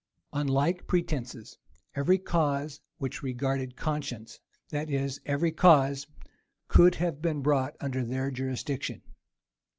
On like pretences, every cause which regarded conscience, that is, every cause, could have been brought under their jurisdiction.